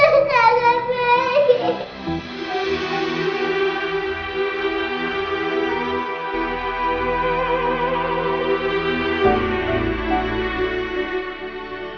aku jadi anak baik